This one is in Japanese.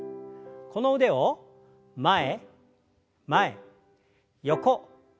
この腕を前前横横。